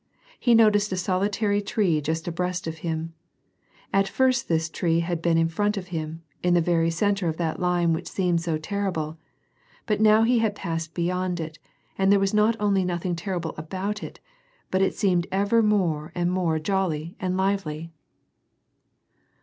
He noticed a solitary tree just abreast of him. At hrst this tree had been in front of him, in the very centre of that line which seemed so terri ble. But now he had passed beyond it and there was not only nothing terrible about it, but it seemed ever more and more jolly and lively.